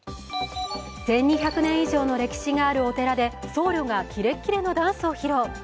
１２００年以上の歴史があるお寺で僧侶がキレッキレのダンスを披露。